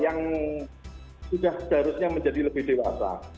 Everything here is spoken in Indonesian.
yang sudah seharusnya menjadi lebih dewasa